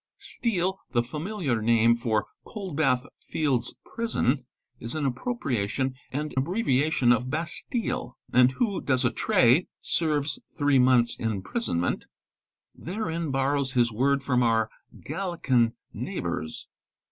Steel, the 'ami iar name for Coldbath Fields Prison, is an appropriation and ibbreviation of Bastille; and he who 'does a tray' (serves three months' mprisonment) therein, borrows his word from our Gallican neighbours.